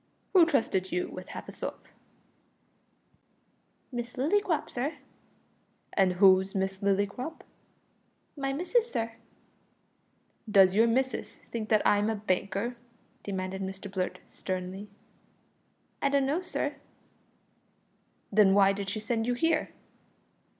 "Who trusted you with half a sov?" "Miss Lillycrop, sir." "And who's Miss Lillycrop?" "My missis, sir." "Does your missis think that I'm a banker?" demanded Mr Blurt sternly. "I dun know, sir." "Then why did she send you here?"